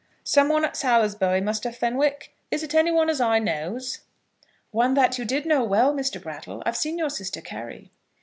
"Some one at Salisbury, Muster Fenwick? Is it any one as I knows?" "One that you did know well, Mr. Brattle. I've seen your sister Carry."